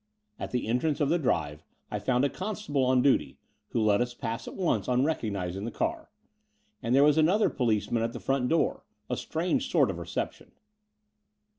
At the entrance of the drive I found a constable on duty, who let us pass at once on recognizing the car; and there was another policeman at the front door — a. strange sort of reception.